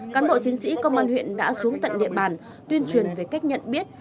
cán bộ chiến sĩ công an huyện đã xuống tận địa bàn tuyên truyền về cách nhận biết